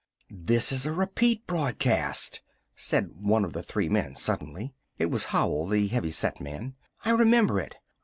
"This is a repeat broadcast!" said one of the three men suddenly. It was Howell, the heavy set man. "I remember it.